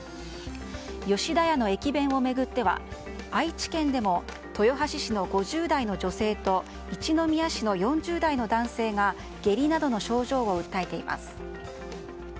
吉田屋の駅弁を巡っては愛知県でも豊橋市の５０代の女性と一宮市の４０代の男性が下痢などの症状を訴えています。